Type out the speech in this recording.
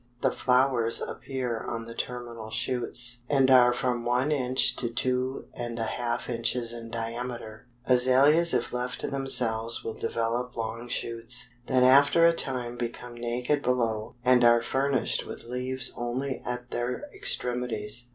The flowers appear on the terminal shoots, and are from one inch to two and a half inches in diameter. "Azaleas if left to themselves will develop long shoots, that after a time become naked below and are furnished with leaves only at their extremities.